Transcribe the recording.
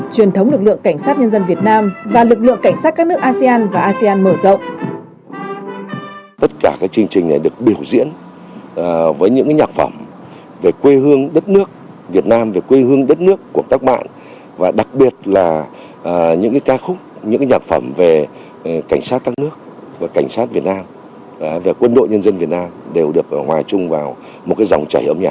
truyền thống lực lượng cảnh sát nhân dân việt nam và lực lượng cảnh sát các nước asean và asean mở rộng